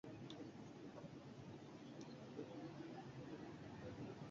Un unipersonal donde despliega su irónica visión sobre la realidad nacional y mundial.